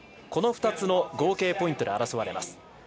この２つの合計ポイントで争われます。